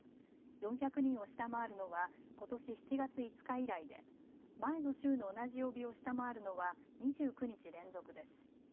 ４００人を下回るのはことし７月５日以来で前の週の同じ曜日を下回るのは２９日連続です。